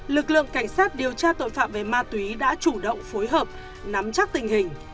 lực lượng cảnh sát điều tra tội phạm về ma túy đã chủ động phối hợp nắm chắc tình hình